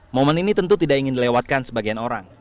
momen ini tentu tidak ingin dilewatkan sebagian orang